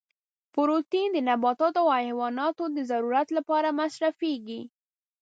پروتین د نباتاتو او حیواناتو د ضرورت لپاره مصرفیږي.